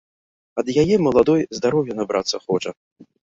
Ад яе, маладой, здароўя набрацца хоча.